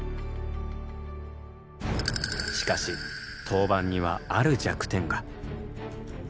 しかし陶板にはある弱点が。